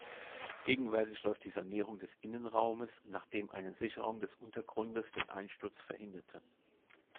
Gegenwärtig läuft die Sanierung des Innenraumes, nachdem eine Sicherung des Untergrundes den Einsturz verhinderte.